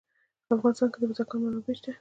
په افغانستان کې د بزګان منابع شته.